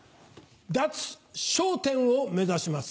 脱『笑点』を目指します。